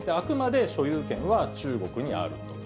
あくまで所有権は中国にある。